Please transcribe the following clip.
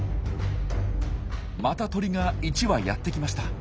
また鳥が１羽やって来ました。